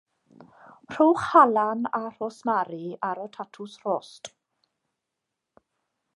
Rhowch halan a rhosmari ar y tatws rhost.